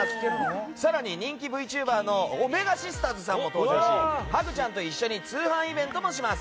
更に、人気ＶＴｕｂｅｒのおめがシスターズさんも登場してハグちゃんと一緒に通販イベントもします。